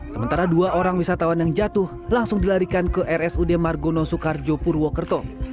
sementara dua orang wisatawan yang jatuh langsung dilarikan ke rsud margono soekarjo purwokerto